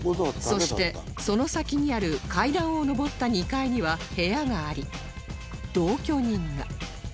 そしてその先にある階段を上った２階には部屋があり同居人が